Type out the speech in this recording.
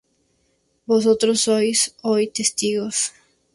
Vosotros sois hoy testigos.